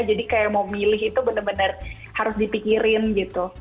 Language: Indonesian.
jadi kayak mau milih itu bener bener harus dipikirin gitu